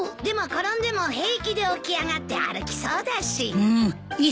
でも転んでも平気で起き上がって歩きそうだし。